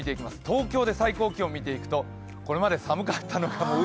東京で最高気温見ていくとこれまで寒かったのがう